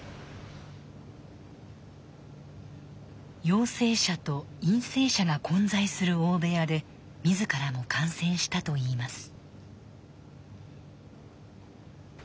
陽性者と陰性者が混在する大部屋で自らも感染したといいます。